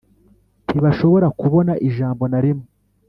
ntibashobora kubona ijambo na rimwe